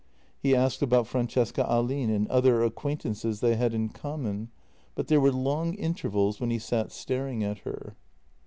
He asked about Francesca Ahlin and other acquaintances they had in common, but there were long intervals when he sat staring at her.